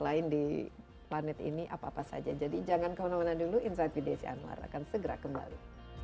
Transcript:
lain di planet ini apa apa saja jadi jangan kemana mana dulu insight with desi anwar akan segera kembali